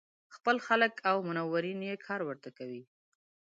خپل خلک او منورین یې کار ورته کوي.